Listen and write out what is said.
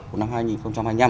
của năm hai nghìn hai mươi năm